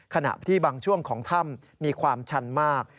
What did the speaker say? ขณะที่บางช่วงของถ้ำมีความชันมาก